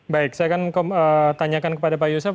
baik saya akan tanyakan kepada pak yusuf